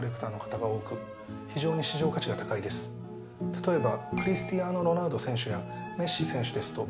例えば。